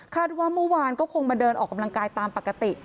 ว่าเมื่อวานก็คงมาเดินออกกำลังกายตามปกติ